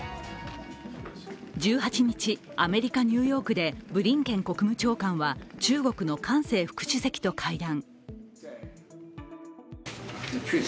１８日、アメリカ・ニューヨークでブリンケン国務長官は中国の韓正副主席と会談。